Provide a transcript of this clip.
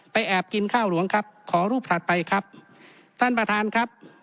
แอบกินข้าวหลวงครับขอรูปถัดไปครับท่านประธานครับ